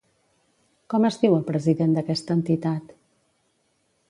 Com es diu el president d'aquesta entitat?